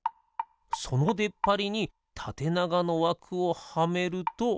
そのでっぱりにたてながのわくをはめると。